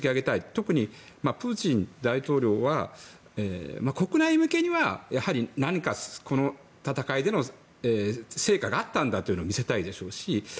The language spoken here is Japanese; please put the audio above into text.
特にプーチン大統領は国内向けにはやはり何か、この戦いでの成果があったと見せたいでしょうし